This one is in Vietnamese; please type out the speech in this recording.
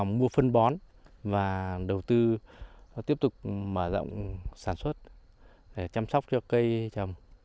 mở rộng mua phân bón và đầu tư tiếp tục mở rộng sản xuất để chăm sóc cho cây trầm